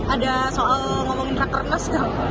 ada soal ngomongin rakernas nggak